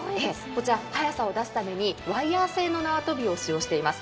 速さを出すためにワイヤー製の縄跳びを使用しています。